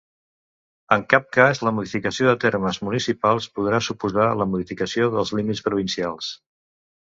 En cap cas la modificació de termes municipals podrà suposar la modificació dels límits provincials.